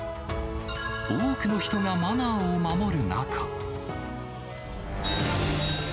多くの人がマナーを守る中。